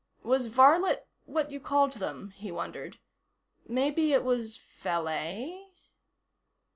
Was varlet what you called them, he wondered. Maybe it was valet.